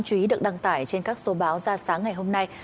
chú ý được đăng tải trên các số báo ra sáng ngày hôm nay